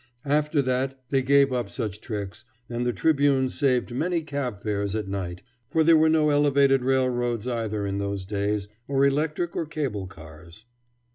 After that they gave up such tricks, and the Tribune saved many cab fares at night; for there were no elevated railroads, either, in those days, or electric or cable cars.